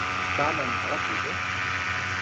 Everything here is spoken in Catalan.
Va amainar la pluja?